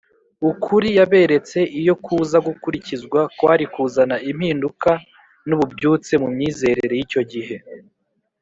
. Ukuri yaberetse, iyo kuza gukurikizwa kwari kuzana impinduka n’ububyutse mu myizezere y’icyo gihe